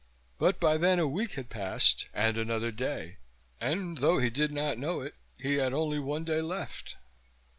But by then a week had passed, and another day, and though he did not know it he had only one day left.